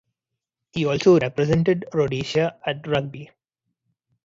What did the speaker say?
He also represented Rhodesia at rugby.